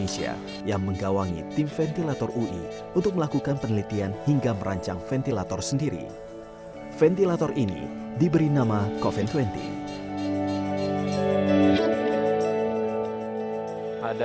kami juga akan membuat sampel sampel dari covid sembilan belas